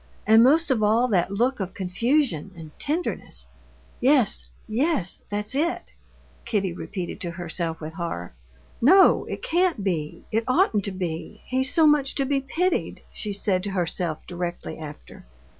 And most of all that look of confusion and tenderness! Yes, yes, that's it!" Kitty repeated to herself with horror. "No, it can't be, it oughtn't to be! He's so much to be pitied!" she said to herself directly after.